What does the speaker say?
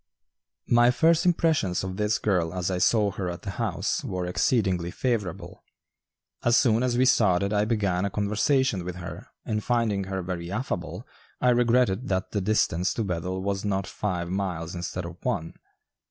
My first impressions of this girl as I saw her at the house were exceedingly favorable. As soon as we started I began a conversation with her and finding her very affable I regretted that the distance to Bethel was not five miles instead of one.